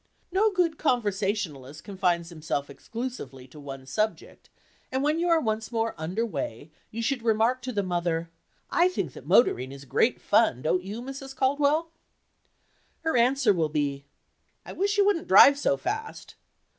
No good conversationalist confines himself exclusively to one subject, and when you are once more "under way" you should remark to the mother, "I think that motoring is great fun, don't you, Mrs. Caldwell?" Her answer will be, "I wish you wouldn't drive so fast!"